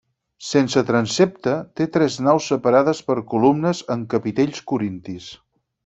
Sense transsepte, té tres naus separades per columnes, amb capitells corintis.